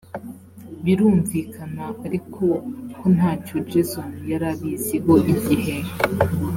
birumvikana ariko ko nta cyo jason yari abiziho igihe